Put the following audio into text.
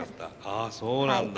ああそうなんだ。